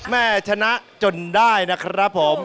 แม่ชนะจนได้นะครับผม